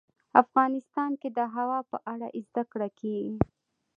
افغانستان کې د هوا په اړه زده کړه کېږي.